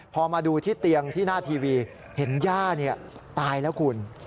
พอมาดูที่เตียงที่หน้าทีวีเห็นย่าตายแล้วคุณ